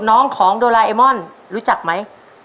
น้องของโดราเอมอนรู้จักไหม